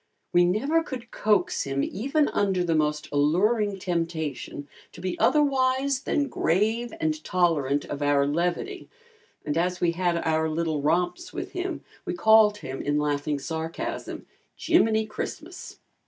We never could coax him even under the most alluring temptation to be otherwise than grave and tolerant of our levity and as we had our little romps with him we called him in laughing sarcasm, "Jiminy Christmas."